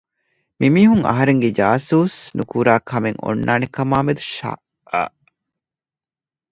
މި މީހުން އަހަރެންގެ ޖާސޫސް ނުކުރާ ކަމެއް އޮންނާނެ ކަމާއި މެދު ޝައްއް